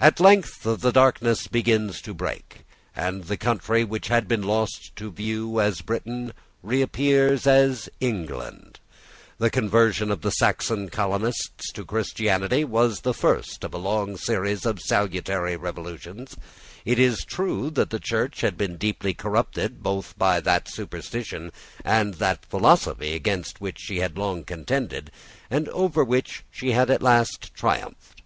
At length the darkness begins to break; and the country which had been lost to view as Britain reappears as England. The conversion of the Saxon colonists to Christianity was the first of a long series of salutary revolutions. It is true that the Church had been deeply corrupted both by that superstition and by that philosophy against which she had long contended, and over which she had at last triumphed.